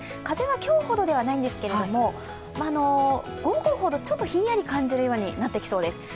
風は今日ほどではないんですけれども、午後ほどちょっとひんやり感じるようになっていきそうです。